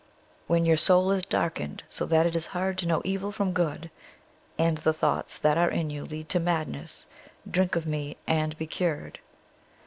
_When your soul is darkened, so that it is hard to know evil from good, and the thoughts that are in you lead to madness, drink of me, and be cured.